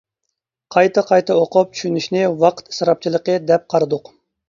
قايتا-قايتا ئوقۇپ چۈشىنىشنى ۋاقىت ئىسراپچىلىقى دەپ قارىدۇق.